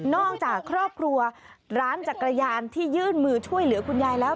จากครอบครัวร้านจักรยานที่ยื่นมือช่วยเหลือคุณยายแล้ว